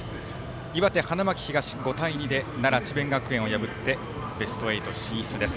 岩手、花巻東、５対２で奈良、智弁学園を破ってベスト８進出です。